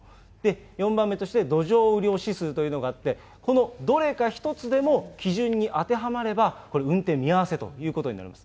４番目として土壌雨量指数というのがあって、このどれか１つでも基準に当てはまれば、これ運転見合わせということになります。